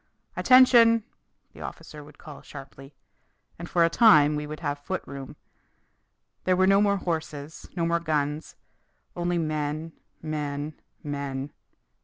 "Attention!" the officer would call sharply. And for a time we would have foot room. There were no more horses, no more guns only men, men, men.